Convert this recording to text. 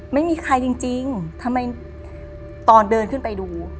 ไม่มีใครจริงทำไมตอนเดินขึ้นไปดู